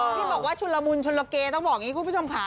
ที่บอกว่าชุนละมุนชุนละเกต้องบอกอย่างนี้คุณผู้ชมค่ะ